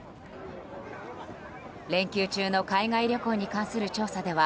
連休中の海外旅行に関する調査では